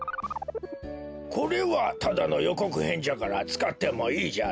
これはただのよこくへんじゃからつかってもいいじゃろ。